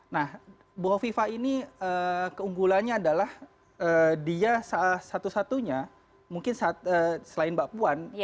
nah bu hovifah ini keunggulannya adalah dia satu satunya mungkin selain mbak puan